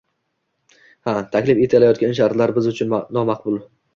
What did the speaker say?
Ha, taklif etilayotgan shartlar biz uchun nomaqbul